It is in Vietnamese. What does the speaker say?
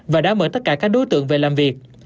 và đã mời tất cả các đối tượng về làm việc